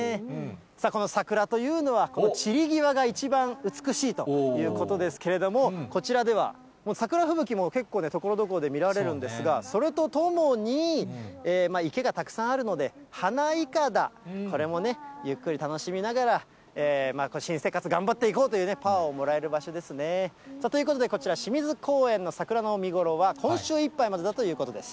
この桜というのは、散り際が一番美しいということですけれども、こちらでは桜吹雪も結構、ところどころで見られるんですが、それとともに、池がたくさんあるので、花いかだ、これもね、ゆっくり楽しみながら、新生活頑張っていこうというパワーをもらえる場所ですね。ということで、こちら、清水公園の桜の見頃は、今週いっぱいまでだということです。